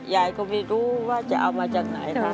ยายก็ไม่รู้ว่าจะเอามาจากไหนนะ